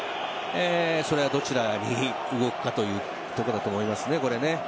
それがどちらに動くかというところだと思いますね。